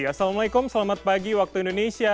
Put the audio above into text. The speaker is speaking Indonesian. assalamualaikum selamat pagi waktu indonesia